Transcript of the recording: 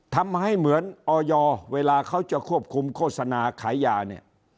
ทำให้เหมือนออยเวลาเขาจะควบคุมโฆษณาขายยาเนี่ย